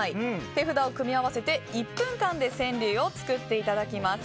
手札を組み合わせて１分間で川柳を作っていただきます。